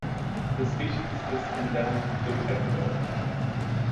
The species is endemic to Ecuador.